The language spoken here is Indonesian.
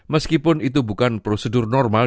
meskipun itu bukan prosedur normal